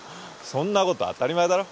そんなこと当たり前だろ。